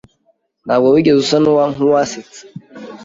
Ntabwo wigeze usa nkuwasetsa.